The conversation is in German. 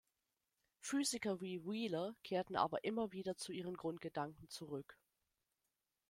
Physiker wie Wheeler kehrten aber immer wieder zu ihren Grundgedanken zurück.